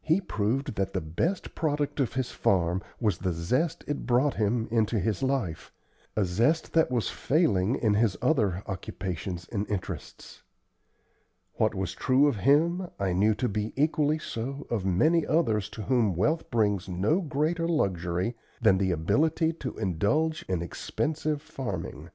He proved that the best product of his farm was the zest it brought him into his life a zest that was failing in his other occupations and interests. What was true of him I knew to be equally so of many others to whom wealth brings no greater luxury than the ability to indulge in expensive farming.